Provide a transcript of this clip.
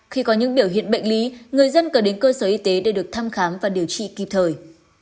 khi có những biểu hiện bệnh lý người dân cần đến cơ sở y tế để được thăm khám và điều trị kịp thời